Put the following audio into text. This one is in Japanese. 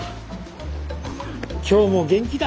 今日も元気だ。